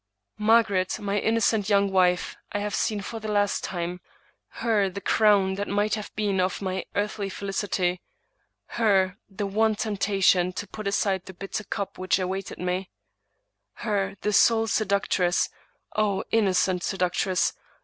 Margaret, my innocent young wife, I have seen for the last time. Her, the crown that might have been of my earthly felicity — ^her, the one temptation to put aside the bitter cup which awaited me — her, sole seductress (O innocent seductress!)